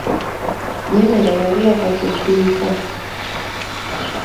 Nyemera yali ava ku dduuka .